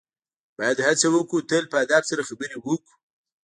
باید هڅه وکړو تل په ادب سره خبرې وکړو.